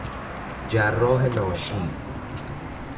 جراح ناشی